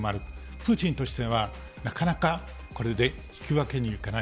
プーチンとしてはなかなか、これで引くわけにはいかない。